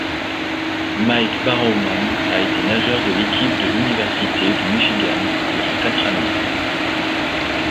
Mike Barrowman a été nageur de l’équipe de l’Université du Michigan durant quatre années.